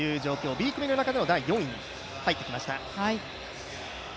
Ｂ組の中でも第４位に入ってきました。